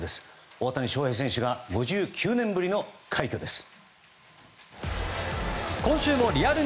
大谷翔平選手が５９年ぶりの快挙です。